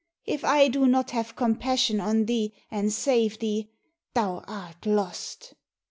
If I do not have compassion on thee, and save thee, thou art lost."